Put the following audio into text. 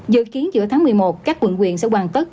dự kiến giữa tháng một mươi một các quận quyện sẽ hoàn tất